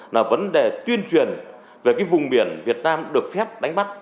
là vấn đề tuyên truyền về cái vùng biển việt nam được phép đánh bắt